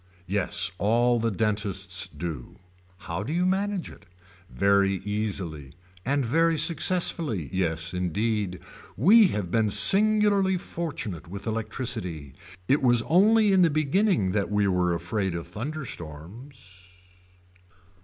Yes all the dentists do. How do you manage it. Very easily. And very successful. Yes indeed. We have been singularly fortunate with electricity. It was only in the beginning that we were afraid of thunderstorms.